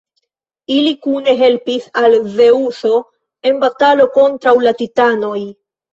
Ili kune helpis al Zeŭso en batalo kontraŭ la titanoj.